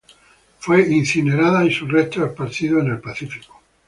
Fue incinerada, y sus restos esparcidos en el Pacífico.